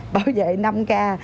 bảo vệ năm k